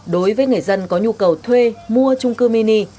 đối với người dân có nhu cầu thuê mua trung cư mini